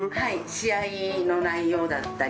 記録？試合の内容だったり。